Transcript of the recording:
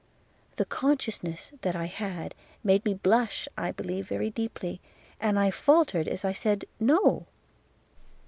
The consciousness that I had, made me blush, I believe, very deeply, and I faltered as I said No!